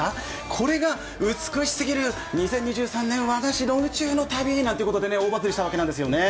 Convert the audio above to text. これが美しすぎる、２０２３年和菓子道中の旅なんて大バズりしたわけなんですよね。